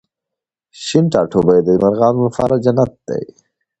شین ټاټوبی د مرغانو لپاره جنت دی